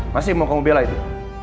masih mau kamu bela itu